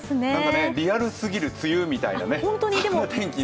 リアルすぎる梅雨みたいな天気。